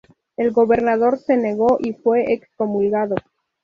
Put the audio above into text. El gobernador se negó y fue excomulgado.